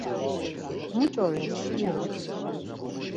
Muç̌o re skiri?